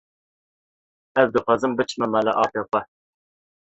Ez dixwazim biçime mala apê xwe.